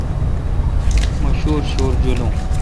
مہ شوُرشوُر جولون۔